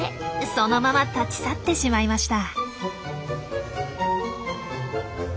そのまま立ち去ってしまいました。